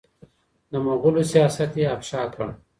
د مغولو سیاست یې افشا کړ